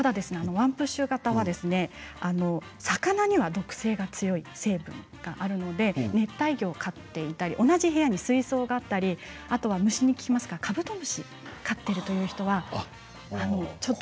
ワンプッシュ型は魚には毒性が強い成分があるので熱帯魚を飼っていたり同じ部屋に水槽があったり虫に効きますからカブトムシ飼っているという方はちょっと。